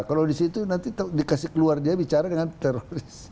kalau di situ nanti dikasih keluar dia bicara dengan teroris